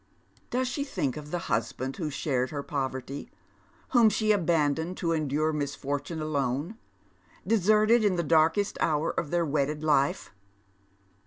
Does she think of the husband who shared her poverty, ■rvshom she abandoned to endure misfortune alone, deserted in the darkest hour of their wedded life